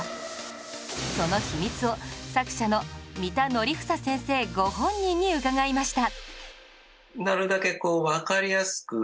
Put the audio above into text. その秘密を作者の三田紀房先生ご本人に伺いました